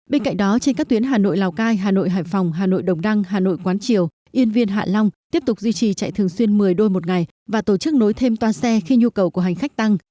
bên cạnh đó trên các tuyến hà nội lào cai hà nội hải phòng hà nội đồng đăng hà nội quán triều yên viên hạ long tiếp tục duy trì chạy thường xuyên một mươi đôi một ngày và tổ chức nối thêm toa xe khi nhu cầu của hành khách tăng